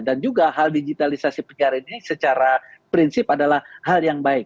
juga hal digitalisasi penyiaran ini secara prinsip adalah hal yang baik